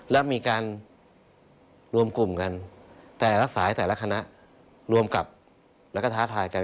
และมีการรวมกลุ่มกันแต่ละสายแต่ละคณะรวมกับแล้วก็ท้าทายกัน